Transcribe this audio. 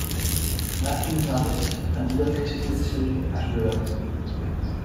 Matthew nodded and looked wistfully at Willow.